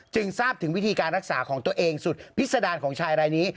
ทราบถึงวิธีการรักษาของตัวเองสุดพิษดารของชายรายนี้